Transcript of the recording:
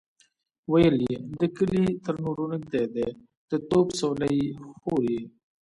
ويې ويل: دا کلي تر نورو نږدې دی، د توپ څولۍ يې خوري.